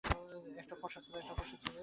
একটা ফর্সা ছেলে?